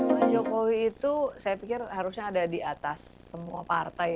pak jokowi itu saya pikir harusnya ada di atas semua partai